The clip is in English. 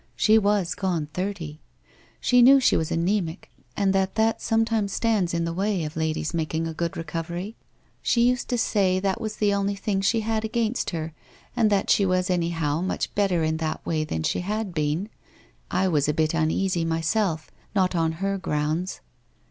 She was gone thirty. She knew she was ana?mic, and that that sometimes stands in the way. of ladies making a good recovery. She used to say that was the only thing she had against her and that she was anyhow much better in that way than she had been. I was a bit uneasy myself, not on her grounds.